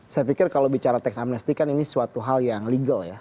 saya pikir kalau bicara tax amnesty kan ini suatu hal yang legal ya